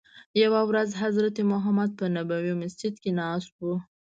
یوه ورځ حضرت محمد په نبوي مسجد کې ناست وو.